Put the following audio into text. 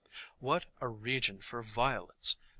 What a region for Violets!